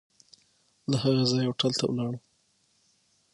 له هغه ځایه هوټل ته ولاړو.